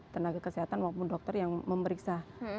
tenaga kesehatan maupun dokter yang memeriksa